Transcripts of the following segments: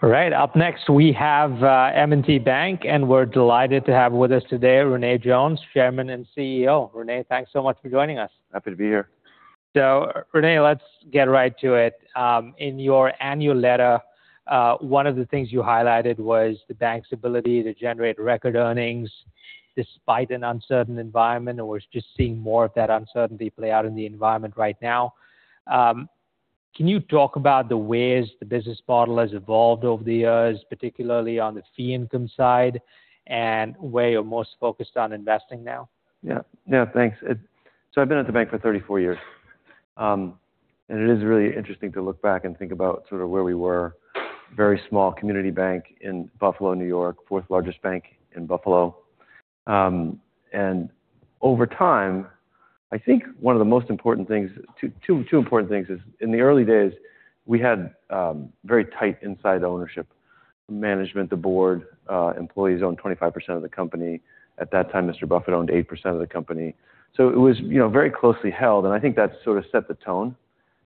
All right. Up next we have M&T Bank, and we're delighted to have with us today, René Jones, Chairman and CEO. René, thanks so much for joining us. Happy to be here. René, let's get right to it. In your annual letter, one of the things you highlighted was the bank's ability to generate record earnings despite an uncertain environment, and we're just seeing more of that uncertainty play out in the environment right now. Can you talk about the ways the business model has evolved over the years, particularly on the fee income side, and where you're most focused on investing now? Yeah. Thanks. I've been at the bank for 34 years. It is really interesting to look back and think about sort of where we were. Very small community bank in Buffalo, N.Y., fourth largest bank in Buffalo. Over time, I think two important things is, in the early days we had very tight inside ownership management. The board employees owned 25% of the company. At that time, Warren Buffett owned 8% of the company. It was very closely held, and I think that sort of set the tone.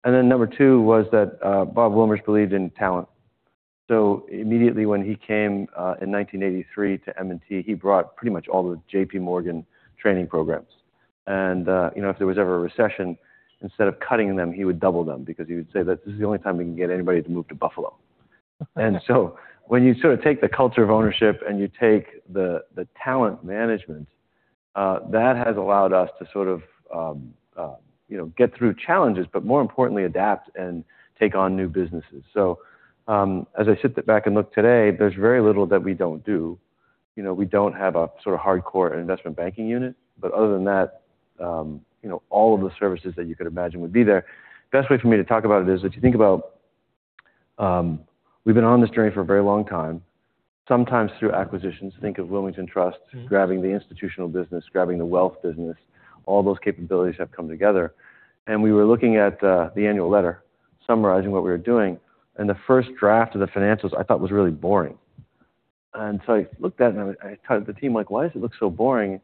Number two was that Robert Wilmers believed in talent. Immediately when he came, in 1983 to M&T, he brought pretty much all the JPMorgan training programs. If there was ever a recession, instead of cutting them, he would double them because he would say that this is the only time we can get anybody to move to Buffalo. When you take the culture of ownership and you take the talent management, that has allowed us to get through challenges, but more importantly, adapt and take on new businesses. As I sit back and look today, there's very little that we don't do. We don't have a sort of hardcore investment banking unit. Other than that, all of the services that you could imagine would be there. Best way for me to talk about it is if you think about, we've been on this journey for a very long time, sometimes through acquisitions. Think of Wilmington Trust. grabbing the institutional business, grabbing the wealth business. All those capabilities have come together. We were looking at the annual letter summarizing what we were doing, and the first draft of the financials I thought was really boring. I looked at it and I told the team, "Why does it look so boring?"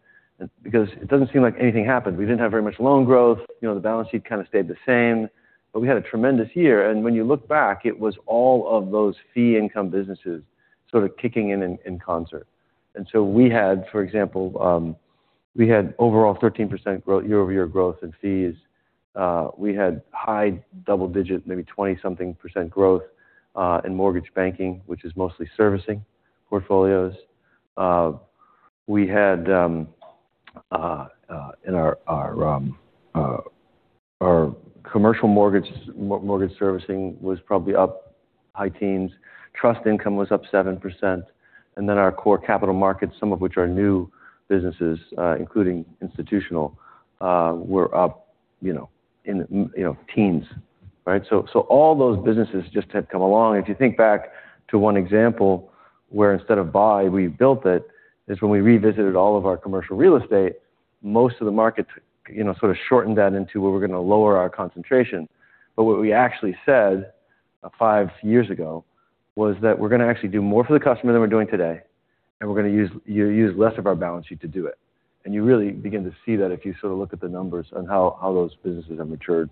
Because it doesn't seem like anything happened. We didn't have very much loan growth. The balance sheet kind of stayed the same. We had a tremendous year. When you look back, it was all of those fee income businesses sort of kicking in in concert. We had, for example, we had overall 13% year-over-year growth in fees. We had high double-digit, maybe 20-something% growth, in mortgage banking, which is mostly servicing portfolios. Our commercial mortgage servicing was probably up high teens. Trust income was up 7%. Our core capital markets, some of which are new businesses, including institutional, were up in teens. Right? All those businesses just had come along. If you think back to one example where instead of buy, we built it, is when we revisited all of our commercial real estate. Most of the markets sort of shortened that into where we're going to lower our concentration. What we actually said five years ago was that we're going to actually do more for the customer than we're doing today, and we're going to use less of our balance sheet to do it. You really begin to see that if you look at the numbers on how those businesses have matured.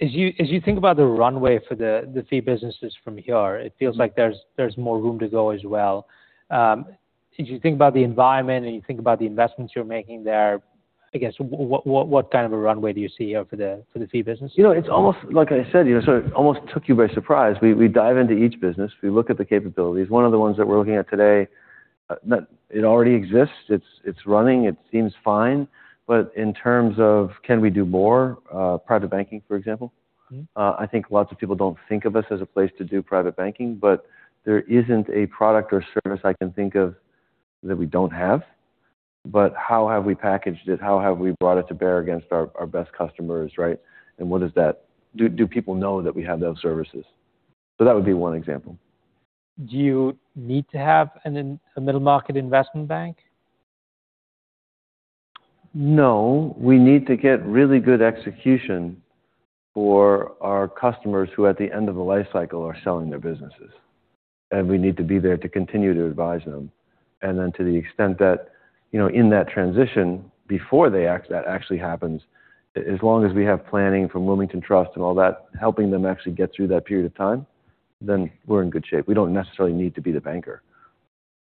As you think about the runway for the fee businesses from here- It feels like there's more room to go as well. As you think about the environment and you think about the investments you're making there, I guess, what kind of a runway do you see here for the fee business? It's almost like I said, it almost took you by surprise. We dive into each business. We look at the capabilities. One of the ones that we're looking at today, it already exists. It's running. It seems fine. In terms of can we do more, private banking, for example. I think lots of people don't think of us as a place to do private banking, there isn't a product or service I can think of that we don't have. How have we packaged it? How have we brought it to bear against our best customers, right? Do people know that we have those services? That would be one example. Do you need to have a middle-market investment bank? No. We need to get really good execution for our customers who at the end of the life cycle are selling their businesses. We need to be there to continue to advise them. To the extent that, in that transition before that actually happens, as long as we have planning from Wilmington Trust and all that, helping them actually get through that period of time, then we're in good shape. We don't necessarily need to be the banker.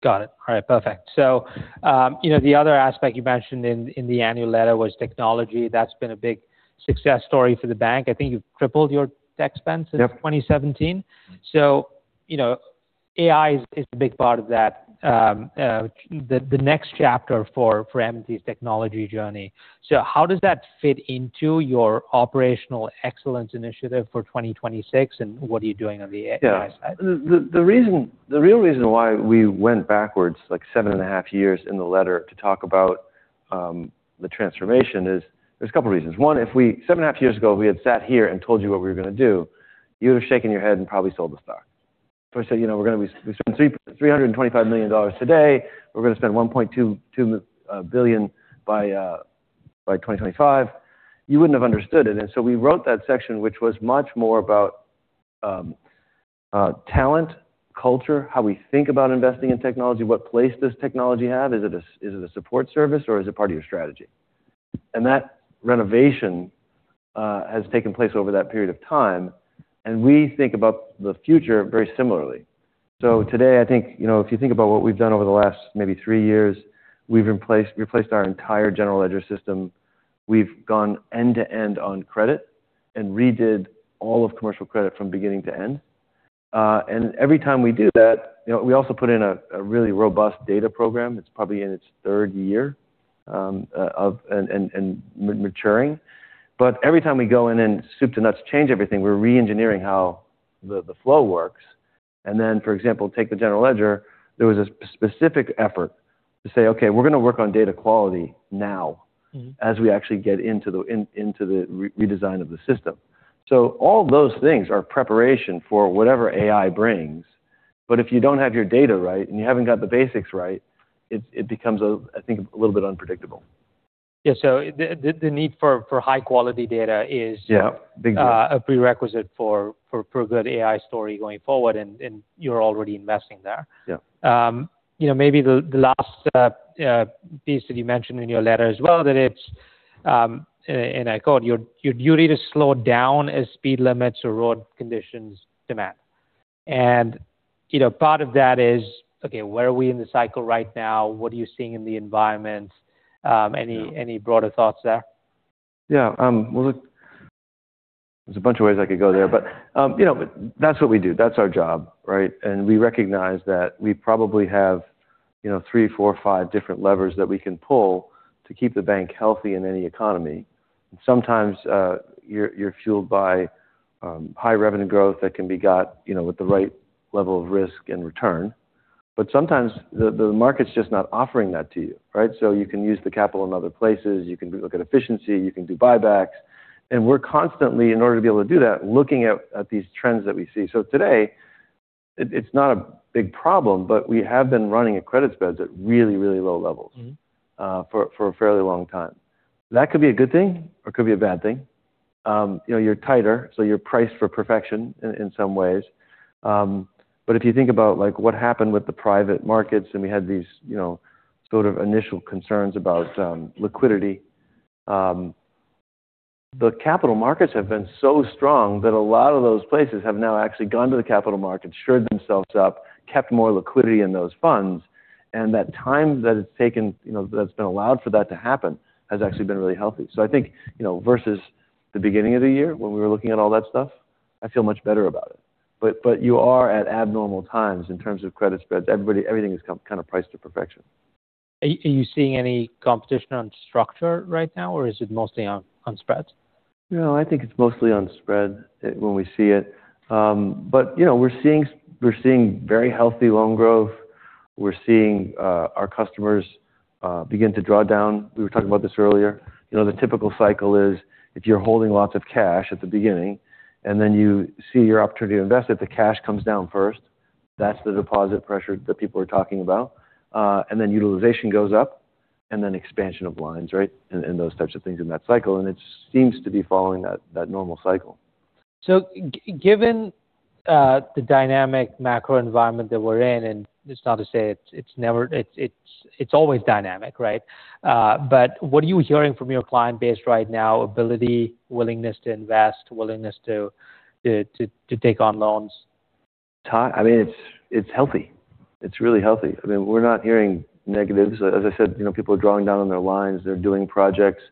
Got it. All right, perfect. The other aspect you mentioned in the annual letter was technology. That's been a big success story for the bank. I think you've tripled your tech spend since- Yep 2017. AI is a big part of that, the next chapter for M&T's technology journey. How does that fit into your operational excellence initiative for 2026, and what are you doing on the AI side? Yeah. The real reason why we went backwards seven and a half years in the letter to talk about the transformation is there's a couple of reasons. One, if seven and a half years ago we had sat here and told you what we were going to do, you would've shaken your head and probably sold the stock. We said, we spend $325 million today. We're going to spend $1.2 billion by 2025. You wouldn't have understood it. We wrote that section, which was much more about talent, culture, how we think about investing in technology. What place does technology have? Is it a support service or is it part of your strategy? That renovation has taken place over that period of time. We think about the future very similarly. Today, I think, if you think about what we've done over the last maybe three years, we've replaced our entire general ledger system. We've gone end-to-end on credit and redid all of commercial credit from beginning to end. Every time we do that, we also put in a really robust data program. It's probably in its third year, and maturing. Every time we go in and soup-to-nuts change everything, we're re-engineering how the flow works. Then, for example, take the general ledger. There was a specific effort to say, "Okay, we're going to work on data quality now as we actually get into the redesign of the system." All those things are preparation for whatever AI brings, if you don't have your data right, and you haven't got the basics right, it becomes, I think, a little bit unpredictable. Yeah. The need for high-quality data is- Yeah. Big a prerequisite for good AI story going forward and you're already investing there. Yeah. Maybe the last piece that you mentioned in your letter as well, that it's, and I quote, "Your duty to slow down as speed limits or road conditions demand." Part of that is, okay, where are we in the cycle right now? What are you seeing in the environment? Any broader thoughts there? Yeah. Well, look, there's a bunch of ways I could go there, but that's what we do. That's our job, right? We recognize that we probably have three, four, five different levers that we can pull to keep the bank healthy in any economy. Sometimes, you're fueled by high revenue growth that can be got with the right level of risk and return. Sometimes the market's just not offering that to you, right? You can use the capital in other places. You can look at efficiency. You can do buybacks. We're constantly, in order to be able to do that, looking at these trends that we see. Today, it's not a big problem, but we have been running a credit spreads at really low levels for a fairly long time. That could be a good thing or could be a bad thing. You're tighter, you're priced for perfection in some ways. If you think about what happened with the private markets, we had these sort of initial concerns about liquidity. The capital markets have been so strong that a lot of those places have now actually gone to the capital markets, shored themselves up, kept more liquidity in those funds, and that time that it's taken, that's been allowed for that to happen has actually been really healthy. I think, versus the beginning of the year when we were looking at all that stuff, I feel much better about it. You are at abnormal times in terms of credit spreads. Everything is kind of priced to perfection. Are you seeing any competition on structure right now, or is it mostly on spreads? No, I think it's mostly on spread when we see it. We're seeing very healthy loan growth. We're seeing our customers begin to draw down. We were talking about this earlier. The typical cycle is if you're holding lots of cash at the beginning, then you see your opportunity to invest it, the cash comes down first. That's the deposit pressure that people are talking about. Utilization goes up, then expansion of lines, right? Those types of things in that cycle. It seems to be following that normal cycle. Given the dynamic macro environment that we're in, it's not to say it's always dynamic, right? What are you hearing from your client base right now? Ability, willingness to invest, willingness to take on loans? Todd, it's healthy. It's really healthy. We're not hearing negatives. As I said, people are drawing down on their lines. They're doing projects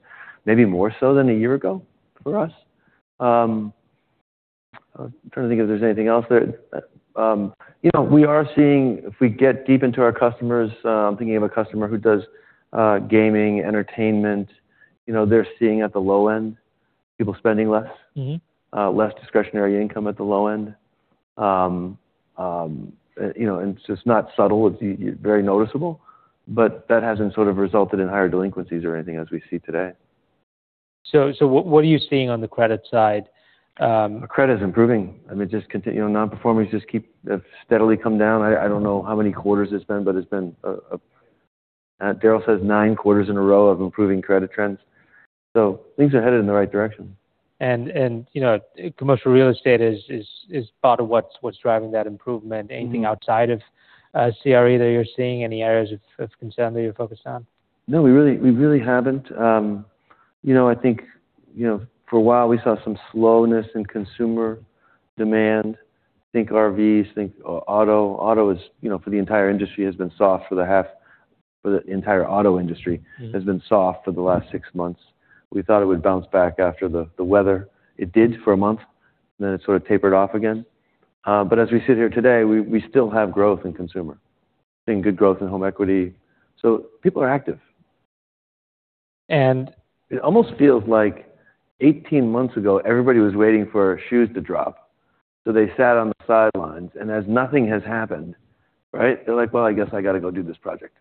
maybe more so than a year ago for us. I'm trying to think if there's anything else there. We are seeing if we get deep into our customers, I'm thinking of a customer who does gaming, entertainment. They're seeing at the low end, people spending less. Less discretionary income at the low end. It's just not subtle. It's very noticeable. That hasn't sort of resulted in higher delinquencies or anything as we see today. What are you seeing on the credit side? Credit is improving. Non-performers have steadily come down. I don't know how many quarters it's been, Daryl says nine quarters in a row of improving credit trends. Things are headed in the right direction. Commercial real estate is part of what's driving that improvement. Anything outside of CRE that you're seeing? Any areas of concern that you're focused on? No, we really haven't. I think for a while we saw some slowness in consumer demand. Think RVs, think auto. Auto, for the entire auto industry has been soft for the last six months. We thought it would bounce back after the weather. It did for a month, and then it sort of tapered off again. As we sit here today, we still have growth in consumer, seeing good growth in home equity. People are active. And- It almost feels like 18 months ago, everybody was waiting for shoes to drop. They sat on the sidelines, as nothing has happened, right, they're like, "Well, I guess I got to go do this project.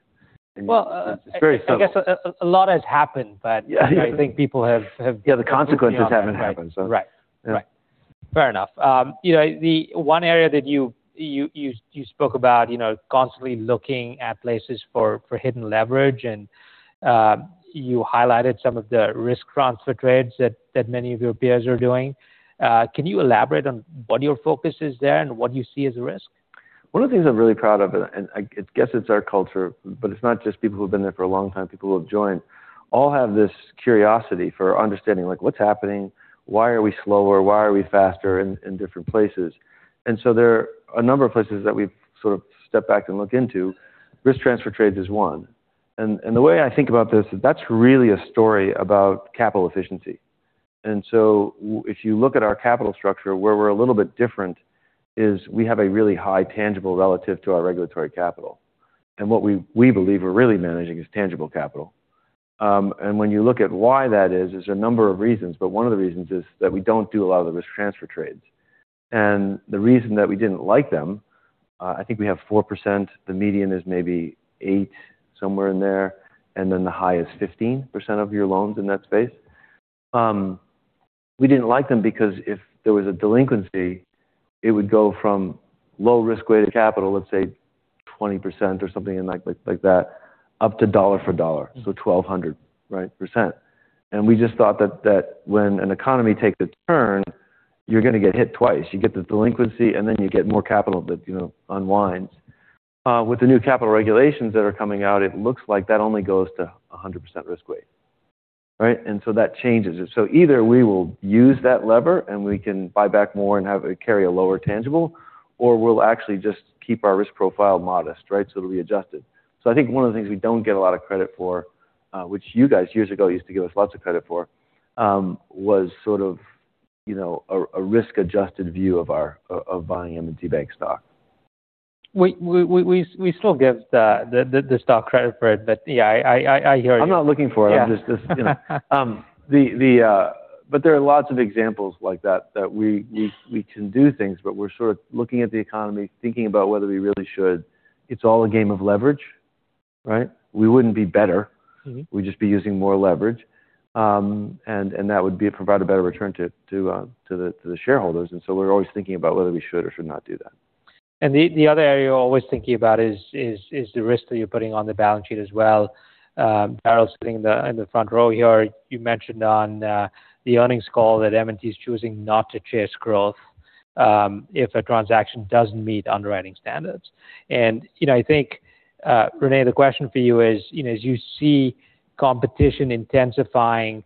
Well- It's very subtle. I guess a lot has happened. Yeah. I think people have. Yeah, the consequences haven't happened. Right. Yeah. Fair enough. The one area that you spoke about constantly looking at places for hidden leverage and you highlighted some of the risk transfer trades that many of your peers are doing. Can you elaborate on what your focus is there and what you see as a risk? One of the things I'm really proud of, and I guess it's our culture, but it's not just people who have been there for a long time, people who have joined, all have this curiosity for understanding what's happening, why are we slower, why are we faster in different places. There are a number of places that we've sort of stepped back and looked into. Risk transfer trades is one. The way I think about this is that's really a story about capital efficiency. If you look at our capital structure, where we're a little bit different is we have a really high tangible relative to our regulatory capital. What we believe we're really managing is tangible capital. When you look at why that is, there's a number of reasons, but one of the reasons is that we don't do a lot of the risk transfer trades. The reason that we didn't like them, I think we have 4%, the median is maybe eight, somewhere in there, then the high is 15% of your loans in that space. We didn't like them because if there was a delinquency, it would go from low risk-weighted capital, let's say 20% or something like that, up to dollar for dollar, so 1,200%. We just thought that when an economy takes a turn, you're going to get hit twice. You get the delinquency and then you get more capital that unwinds. With the new capital regulations that are coming out, it looks like that only goes to 100% risk weight. Right? That changes it. Either we will use that lever and we can buy back more and have it carry a lower tangible, or we'll actually just keep our risk profile modest, right? It'll be adjusted. I think one of the things we don't get a lot of credit for, which you guys years ago used to give us lots of credit for, was sort of a risk-adjusted view of buying M&T Bank stock. We still give the stock credit for it, yeah, I hear you. I'm not looking for it. Yeah. There are lots of examples like that we can do things, but we're sort of looking at the economy, thinking about whether we really should. It's all a game of leverage, right? We wouldn't be better. We'd just be using more leverage. That would provide a better return to the shareholders, we're always thinking about whether we should or should not do that. The other area we're always thinking about is the risk that you're putting on the balance sheet as well. Daryl's sitting in the front row here. You mentioned on the earnings call that M&T's choosing not to chase growth if a transaction doesn't meet underwriting standards. I think, René, the question for you is, as you see competition intensifying,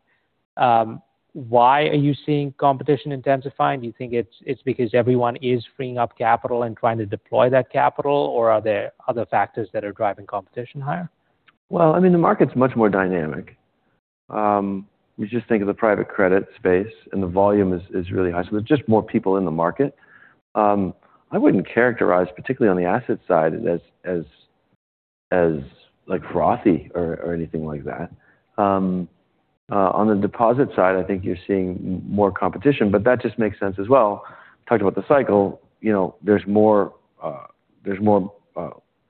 why are you seeing competition intensifying? Do you think it's because everyone is freeing up capital and trying to deploy that capital, or are there other factors that are driving competition higher? Well, I mean, the market's much more dynamic. You just think of the private credit space, the volume is really high. There's just more people in the market. I wouldn't characterize, particularly on the asset side, as frothy or anything like that. On the deposit side, I think you're seeing more competition, that just makes sense as well. Talked about the cycle. There's more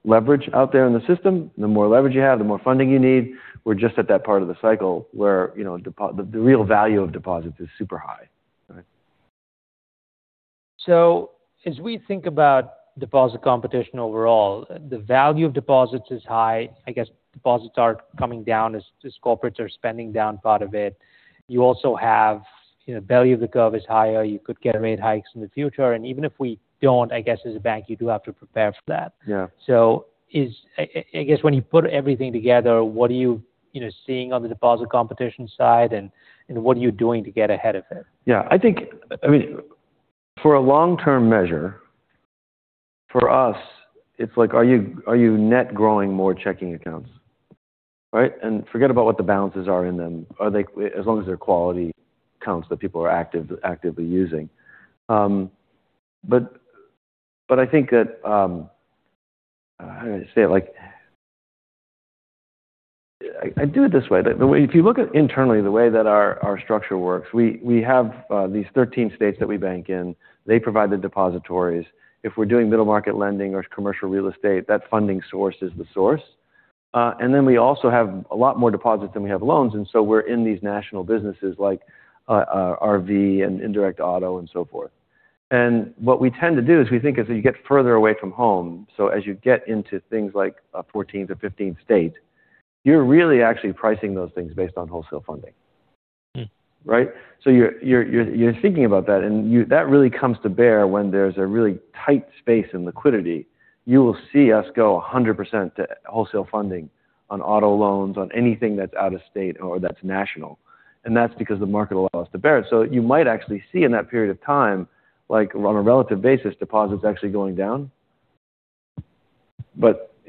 leverage out there in the system. The more leverage you have, the more funding you need. We're just at that part of the cycle where the real value of deposits is super high, right? As we think about deposit competition overall, the value of deposits is high. I guess deposits are coming down as corporates are spending down part of it. You also have value of the curve is higher. You could get rate hikes in the future, even if we don't, I guess as a bank, you do have to prepare for that. Yeah. I guess when you put everything together, what are you seeing on the deposit competition side, and what are you doing to get ahead of it? I think for a long-term measure, for us, it's like are you net growing more checking accounts, right? Forget about what the balances are in them. As long as they're quality accounts that people are actively using. I think that, how do I say it? I'd do it this way. If you look at internally the way that our structure works, we have these 13 states that we bank in. They provide the depositories. If we're doing middle market lending or commercial real estate, that funding source is the source. We also have a lot more deposits than we have loans, we're in these national businesses like RV and indirect auto and so forth. What we tend to do is we think as you get further away from home, as you get into things like a 14th or 15th state, you're really actually pricing those things based on wholesale funding. Right? You're thinking about that really comes to bear when there's a really tight space in liquidity. You will see us go 100% to wholesale funding on auto loans, on anything that's out of state or that's national. That's because the market allows to bear it. You might actually see in that period of time, like on a relative basis, deposits actually going down.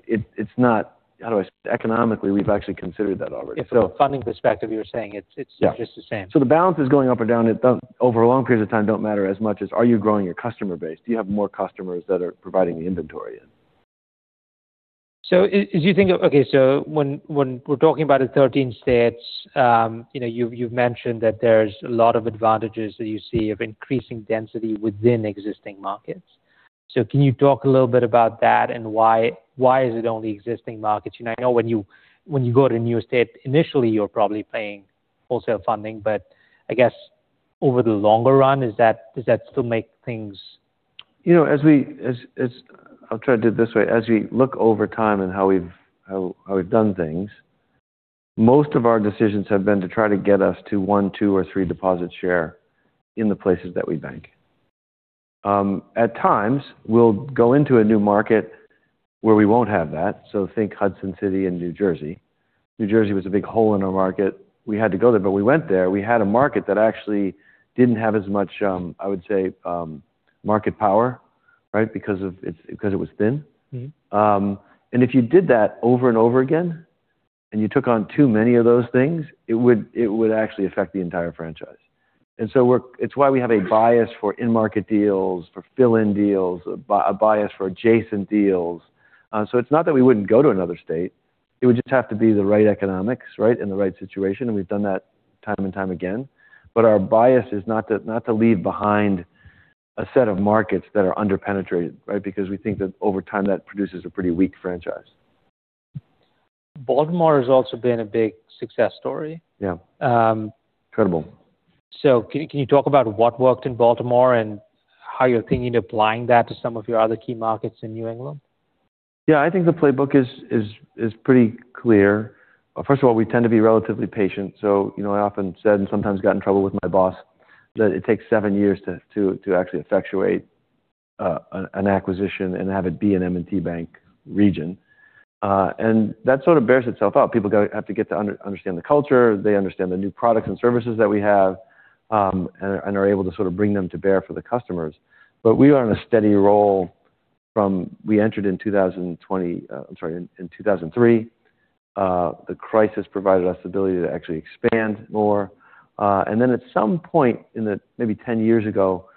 It's not, how do I say? Economically, we've actually considered that already. From a funding perspective, you're saying it's just the same. The balance is going up or down. Over a long period of time don't matter as much as are you growing your customer base? Do you have more customers that are providing the inventory in? When we're talking about the 13 states, you've mentioned that there's a lot of advantages that you see of increasing density within existing markets. Can you talk a little bit about that and why is it only existing markets? I know when you go to a new state, initially you're probably paying wholesale funding. I guess over the longer run, does that still make things I'll try to do it this way. As we look over time and how we've done things, most of our decisions have been to try to get us to one, two, or three deposit share in the places that we bank. At times, we'll go into a new market where we won't have that. Think Hudson City and New Jersey. New Jersey was a big hole in our market. We had to go there. We went there. We had a market that actually didn't have as much, I would say, market power. It was thin. If you did that over and over again, and you took on too many of those things, it would actually affect the entire franchise. It's why we have a bias for in-market deals, for fill-in deals, a bias for adjacent deals. It's not that we wouldn't go to another state. It would just have to be the right economics and the right situation, and we've done that time and time again. Our bias is not to leave behind a set of markets that are under-penetrated. Because we think that over time, that produces a pretty weak franchise. Baltimore has also been a big success story. Yeah. Incredible. Can you talk about what worked in Baltimore, and how you're thinking of applying that to some of your other key markets in New England? I think the playbook is pretty clear. First of all, we tend to be relatively patient. I often said, and sometimes got in trouble with my boss, that it takes seven years to actually effectuate an acquisition and have it be an M&T Bank region. That sort of bears itself out. People have to get to understand the culture, they understand the new products and services that we have, and are able to bring them to bear for the customers. We are on a steady roll from, we entered in 2003. The crisis provided us the ability to actually expand more. At some point, maybe 10 years ago,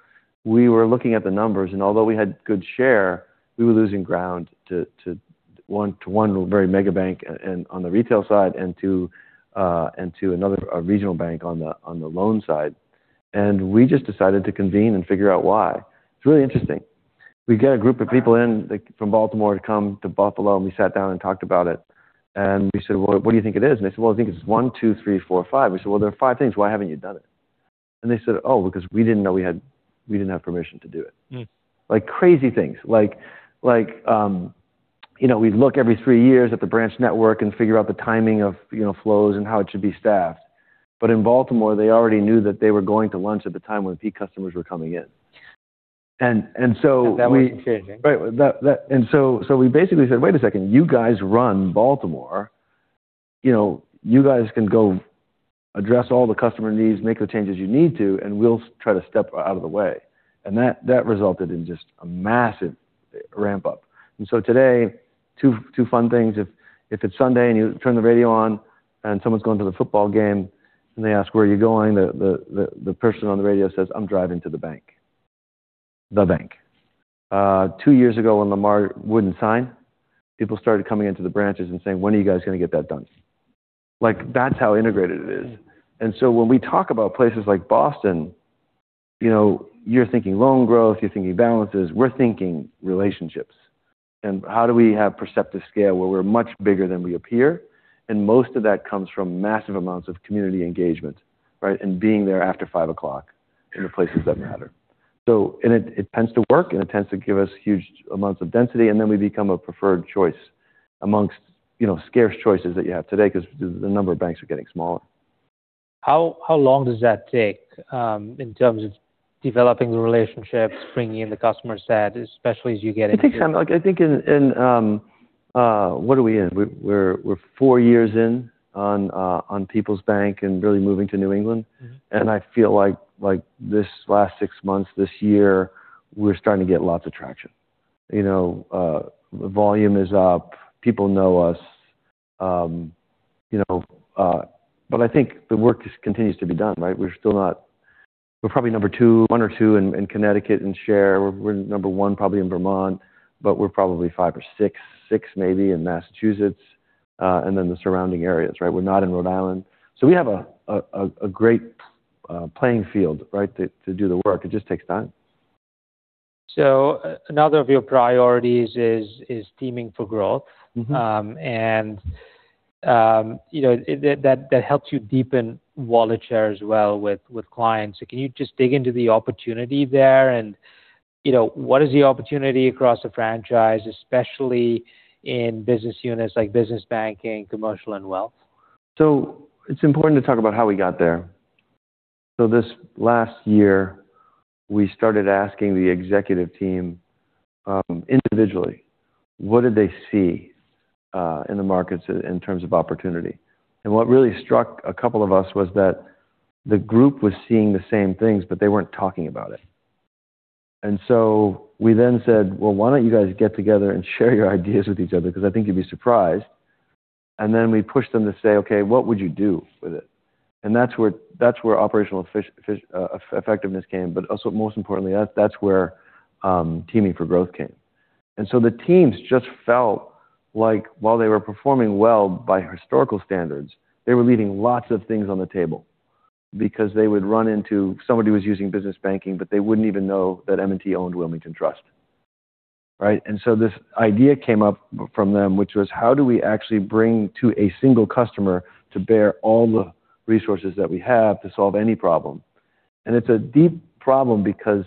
we were looking at the numbers, and although we had good share, we were losing ground to one very mega bank on the retail side, and to another regional bank on the loan side. We just decided to convene and figure out why. It's really interesting. We get a group of people in from Baltimore to come to Buffalo, we sat down and talked about it. We said, "Well, what do you think it is?" They said, "Well, I think it's one, two, three, four, five." We said, "Well, there are five things. Why haven't you done it?" They said, "Oh, because we didn't know we didn't have permission to do it. Like crazy things. We'd look every three years at the branch network and figure out the timing of flows and how it should be staffed. In Baltimore, they already knew that they were going to lunch at the time when peak customers were coming in. We- That wasn't changing. Right. We basically said, "Wait a second. You guys run Baltimore. You guys can go address all the customer needs, make the changes you need to, and we'll try to step out of the way." That resulted in just a massive ramp-up. Today, two fun things. If it's Sunday and you turn the radio on and someone's going to the football game and they ask, "Where are you going?" The person on the radio says, "I'm driving to the bank." The bank. Two years ago, when Lamar wouldn't sign, people started coming into the branches and saying, "When are you guys going to get that done?" That's how integrated it is. When we talk about places like Boston, you're thinking loan growth, you're thinking balances. We're thinking relationships. How do we have perceptive scale where we're much bigger than we appear? Most of that comes from massive amounts of community engagement. Being there after 5:00 in the places that matter. It tends to work, and it tends to give us huge amounts of density, and then we become a preferred choice amongst scarce choices that you have today because the number of banks are getting smaller. How long does that take in terms of developing the relationships, bringing in the customer set, especially as you get into- I think in, what are we in? We're four years in on People's Bank and really moving to New England. I feel like this last six months, this year, we're starting to get lots of traction. The volume is up. People know us. I think the work continues to be done. We're probably number one or two in Connecticut in share. We're number one probably in Vermont, but we're probably five or six maybe, in Massachusetts. Then the surrounding areas. We're not in Rhode Island. We have a great playing field to do the work. It just takes time. Another of your priorities is teaming for growth. That helps you deepen wallet share as well with clients. Can you just dig into the opportunity there and what is the opportunity across the franchise, especially in business units like business banking, commercial, and wealth? It's important to talk about how we got there. This last year, we started asking the executive team individually, what did they see in the markets in terms of opportunity. What really struck a couple of us was that the group was seeing the same things, but they weren't talking about it. We then said, "Well, why don't you guys get together and share your ideas with each other, because I think you'd be surprised." Then we pushed them to say, "Okay, what would you do with it?" That's where operational effectiveness came. Also most importantly, that's where teaming for growth came. The teams just felt like while they were performing well by historical standards, they were leaving lots of things on the table because they would run into somebody who was using business banking, but they wouldn't even know that M&T owned Wilmington Trust. This idea came up from them, which was how do we actually bring to a single customer to bear all the resources that we have to solve any problem? It's a deep problem because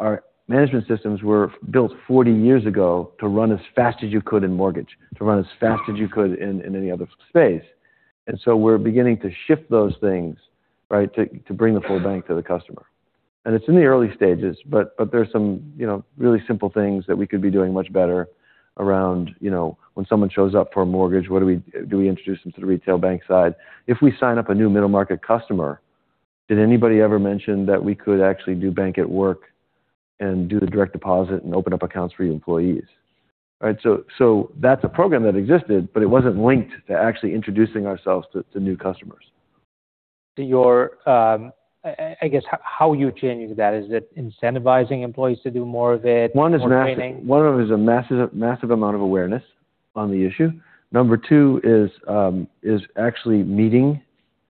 our management systems were built 40 years ago to run as fast as you could in mortgage, to run as fast as you could in any other space. We're beginning to shift those things, to bring the full bank to the customer. It's in the early stages, but there's some really simple things that we could be doing much better around, when someone shows up for a mortgage, do we introduce them to the retail bank side? If we sign up a new middle-market customer, did anybody ever mention that we could actually do bank at work and do the direct deposit and open up accounts for your employees? That's a program that existed, but it wasn't linked to actually introducing ourselves to new customers. I guess, how you change that. Is it incentivizing employees to do more of it, more training? One of them is a massive amount of awareness on the issue. Number two is actually meeting,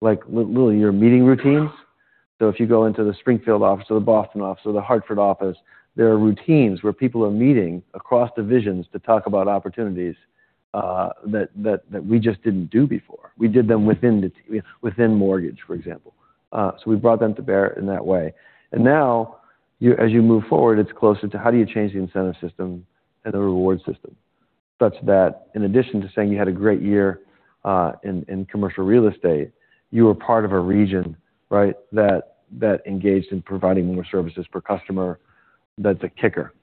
like literally your meeting routines. If you go into the Springfield office or the Boston office or the Hartford office, there are routines where people are meeting across divisions to talk about opportunities that we just didn't do before. We did them within mortgage, for example. We've brought them to bear in that way. Now, as you move forward, it's closer to how do you change the incentive system and the reward system, such that in addition to saying you had a great year in commercial real estate, you were part of a region that engaged in providing more services per customer. That's a kicker.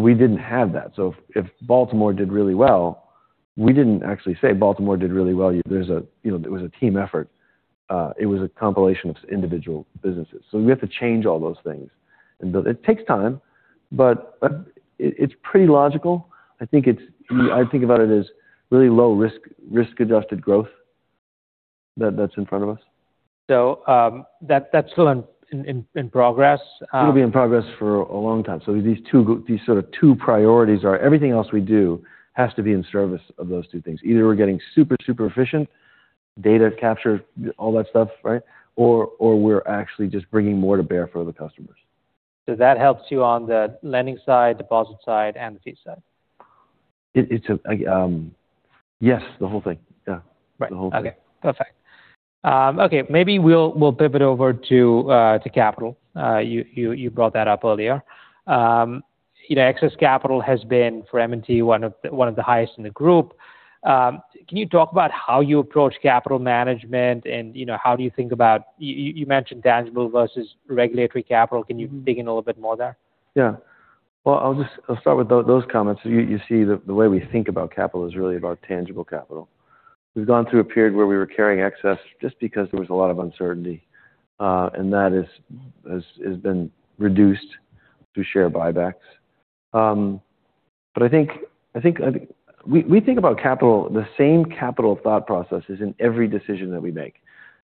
We didn't have that. If Baltimore did really well, we didn't actually say Baltimore did really well. It was a team effort. It was a compilation of individual businesses. We have to change all those things. It takes time, but it's pretty logical. I think about it as really low risk-adjusted growth that's in front of us. That's still in progress. It'll be in progress for a long time. These sort of two priorities are everything else we do has to be in service of those two things. Either we're getting super efficient, data capture, all that stuff. We're actually just bringing more to bear for the customers. That helps you on the lending side, deposit side, and the fee side. Yes, the whole thing. Yeah. Right. The whole thing. Okay, perfect. Okay, maybe we'll pivot over to capital. You brought that up earlier. Excess capital has been, for M&T, one of the highest in the group. Can you talk about how you approach capital management and how do you think about, you mentioned tangible versus regulatory capital. Can you dig in a little bit more there? Yeah. Well, I'll start with those comments. You see the way we think about capital is really about tangible capital. We've gone through a period where we were carrying excess just because there was a lot of uncertainty. That has been reduced through share buybacks. We think about capital, the same capital thought process is in every decision that we make.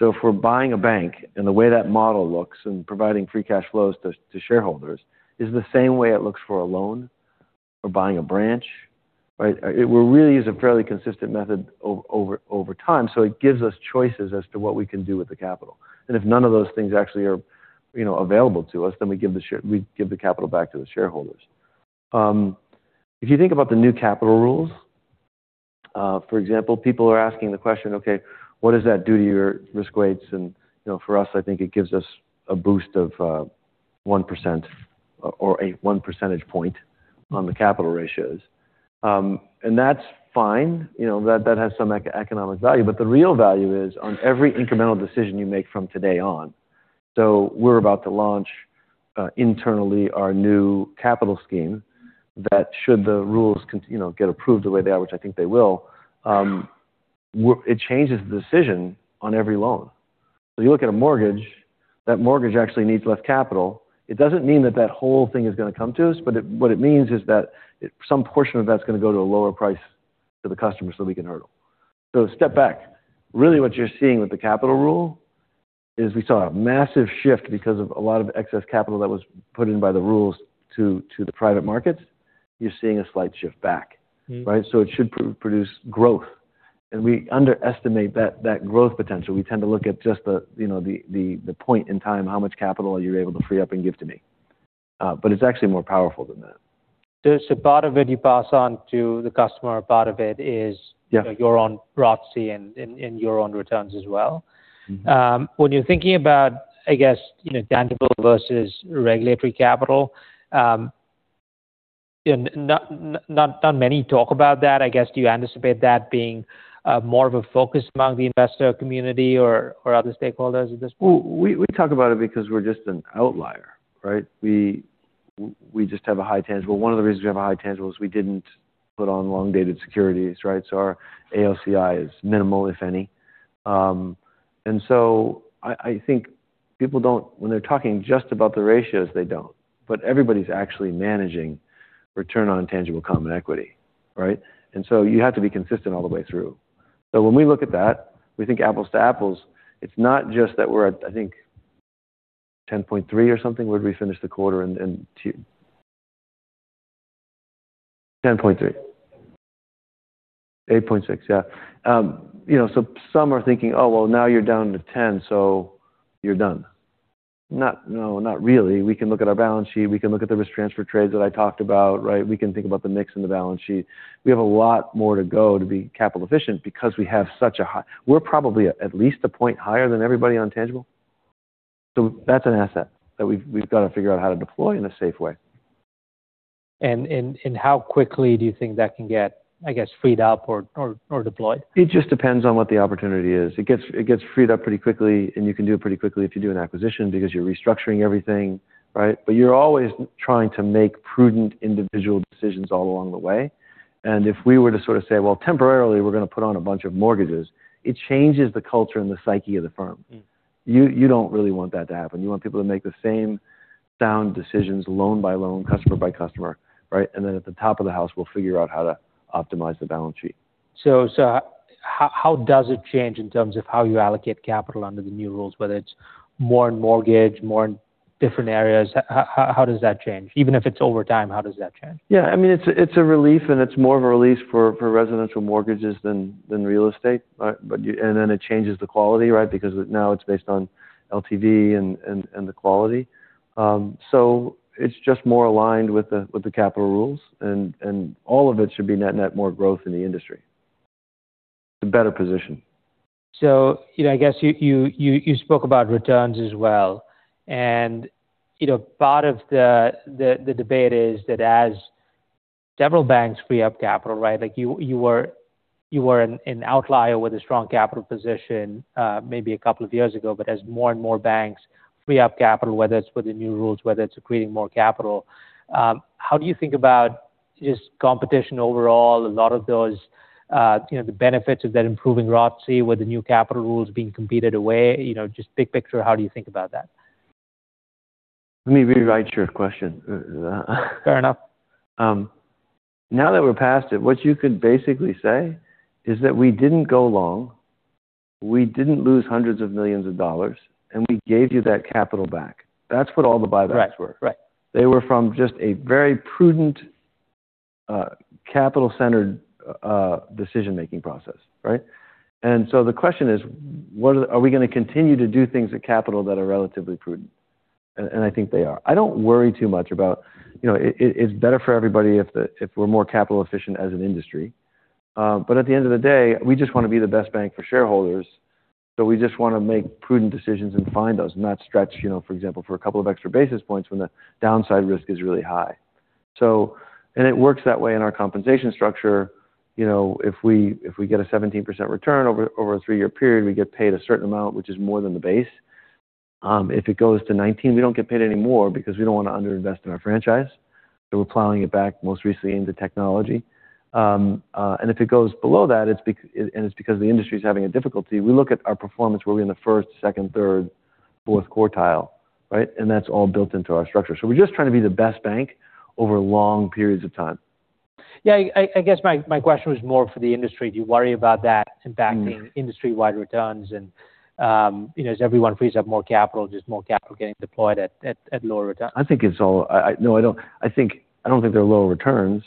If we're buying a bank and the way that model looks and providing free cash flows to shareholders is the same way it looks for a loan or buying a branch, right? We're really is a fairly consistent method over time. It gives us choices as to what we can do with the capital. If none of those things actually are available to us, then we give the capital back to the shareholders. If you think about the new capital rules. For example, people are asking the question, okay, what does that do to your risk weights? For us, I think it gives us a boost of 1% or a one percentage point on the capital ratios. That's fine. That has some economic value. The real value is on every incremental decision you make from today on. We're about to launch internally our new capital scheme that should the rules get approved the way they are, which I think they will. It changes the decision on every loan. You look at a mortgage, that mortgage actually needs less capital. It doesn't mean that whole thing is going to come to us, but what it means is that some portion of that's going to go to a lower price to the customer so we can hurdle. Step back. Really what you're seeing with the capital rule is we saw a massive shift because of a lot of excess capital that was put in by the rules to the private markets. You're seeing a slight shift back. Right? It should produce growth. We underestimate that growth potential. We tend to look at just the point in time how much capital you're able to free up and give to me. It's actually more powerful than that. It's a part of it you pass on to the customer, a part of it is- Yeah your own ROTCE and your own returns as well. You're thinking about tangible versus regulatory capital. Not many talk about that. I guess, do you anticipate that being more of a focus among the investor community or other stakeholders at this point? Well, we talk about it because we're just an outlier, right? We just have a high tangible. One of the reasons we have a high tangible is we didn't put on long-dated securities, right? Our AOCI is minimal, if any. I think people when they're talking just about the ratios, they don't. Everybody's actually managing return on tangible common equity, right? You have to be consistent all the way through. When we look at that, we think apples to apples. It's not just that we're at, I think, 10.3 or something. Where'd we finish the quarter in T? 10.3. 8.6, yeah. Some are thinking, "Oh, well, now you're down to 10, so you're done." No, not really. We can look at our balance sheet. We can look at the risk transfer trades that I talked about, right? We can think about the mix and the balance sheet. We have a lot more to go to be capital efficient because we have such a high. We're probably at least a point higher than everybody on tangible. That's an asset that we've got to figure out how to deploy in a safe way. How quickly do you think that can get, I guess, freed up or deployed? It just depends on what the opportunity is. It gets freed up pretty quickly, and you can do it pretty quickly if you do an acquisition because you're restructuring everything, right? You're always trying to make prudent individual decisions all along the way. If we were to sort of say, "Well, temporarily, we're going to put on a bunch of mortgages," it changes the culture and the psyche of the firm. You don't really want that to happen. You want people to make the same sound decisions loan by loan, customer by customer, right? Then at the top of the house, we'll figure out how to optimize the balance sheet. How does it change in terms of how you allocate capital under the new rules, whether it's more in mortgage, more in different areas? How does that change? Even if it's over time, how does that change? Yeah, it's a relief and it's more of a relief for residential mortgages than real estate, right? It changes the quality, right? Because now it's based on LTV and the quality. It's just more aligned with the capital rules and all of it should be net more growth in the industry. It's a better position. I guess you spoke about returns as well, and part of the debate is that as several banks free up capital, right? Like you were an outlier with a strong capital position maybe a couple of years ago. As more and more banks free up capital, whether it's with the new rules, whether it's creating more capital, how do you think about just competition overall? A lot of those, the benefits of that improving ROTCE with the new capital rules being competed away. Just big picture, how do you think about that? Let me rewrite your question. Fair enough. Now that we're past it, what you could basically say is that we didn't go long, we didn't lose hundreds of millions of dollars, and we gave you that capital back. That's what all the buybacks were. Right. They were from just a very prudent, capital-centered decision-making process, right? The question is, are we going to continue to do things at capital that are relatively prudent? I think they are. I don't worry too much about, it's better for everybody if we're more capital efficient as an industry. At the end of the day, we just want to be the best bank for shareholders. We just want to make prudent decisions and find those, not stretch, for example, for a couple of extra basis points when the downside risk is really high. It works that way in our compensation structure. If we get a 17% return over a three-year period, we get paid a certain amount, which is more than the base. If it goes to 19, we don't get paid any more because we don't want to under-invest in our franchise. We're plowing it back, most recently into technology. If it goes below that, and it's because the industry's having a difficulty, we look at our performance, were we in the first, second, third, fourth quartile, right? That's all built into our structure. We're just trying to be the best bank over long periods of time. Yeah. I guess my question was more for the industry. Do you worry about that impacting industry-wide returns and, as everyone frees up more capital, just more capital getting deployed at lower returns? I don't think they're lower returns.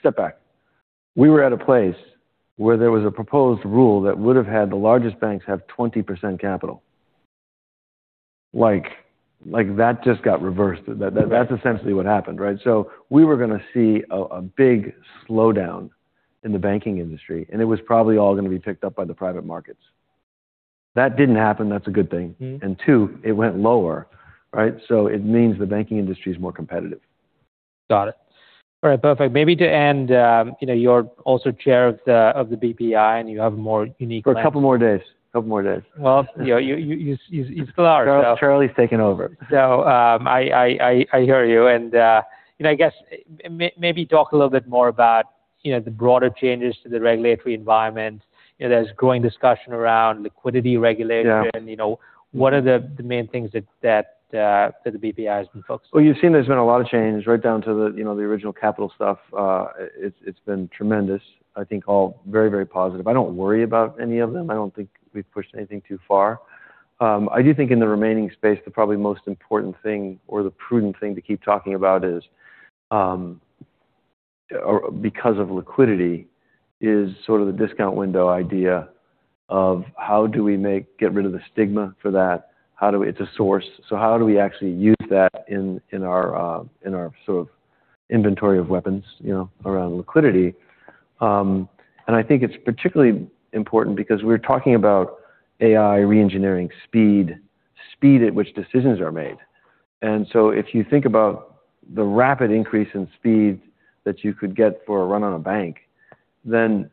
Step back. We were at a place where there was a proposed rule that would've had the largest banks have 20% capital. Like that just got reversed. That's essentially what happened, right? We were going to see a big slowdown in the banking industry, and it was probably all going to be picked up by the private markets. That didn't happen. That's a good thing. Two, it went lower, right? It means the banking industry is more competitive. Got it. All right. Perfect. Maybe to end, you're also chair of the BPI and you have a more unique lens. For a couple more days. Well, you still are. Charlie's taking over. I hear you. I guess maybe talk a little bit more about the broader changes to the regulatory environment. There's growing discussion around liquidity regulation. Yeah. What are the main things that the BPI has been focused on? Well, you've seen there's been a lot of change right down to the original capital stuff. It's been tremendous. I think all very positive. I don't worry about any of them. I don't think we've pushed anything too far. I do think in the remaining space, the probably most important thing or the prudent thing to keep talking about is, or because of liquidity, is sort of the discount window idea of how do we get rid of the stigma for that? It's a source. How do we actually use that in our sort of inventory of weapons around liquidity? I think it's particularly important because we're talking about AI re-engineering speed. Speed at which decisions are made. If you think about the rapid increase in speed that you could get for a run on a bank, then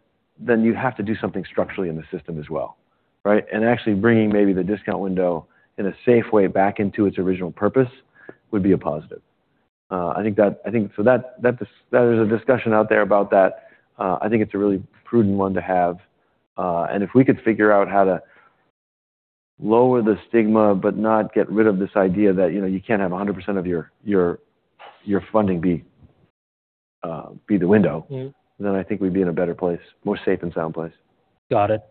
you'd have to do something structurally in the system as well, right? Actually bringing maybe the discount window in a safe way back into its original purpose would be a positive. There's a discussion out there about that. I think it's a really prudent one to have. If we could figure out how to lower the stigma but not get rid of this idea that you can't have 100% of your funding be the window- I think we'd be in a better place, more safe and sound place. Got it.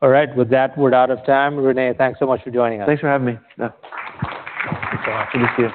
All right. With that, we're out of time. René, thanks so much for joining us. Thanks for having me. Yeah. Good to see you